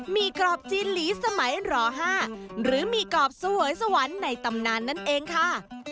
มีกรอบจีนหลีสมัยร๕หรือมีกรอบเสวยสวรรค์ในตำนานนั่นเองค่ะ